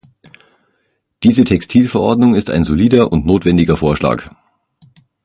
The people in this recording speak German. Diese Textilverordnung ist ein solider und notwendiger Vorschlag.